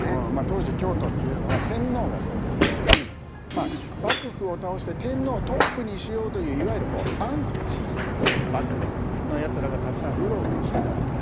当時京都っていうのは天皇が住んでてまあ幕府を倒して天皇をトップにしようといういわゆるこうアンチ幕府のやつらがたくさんうろうろしてたわけ。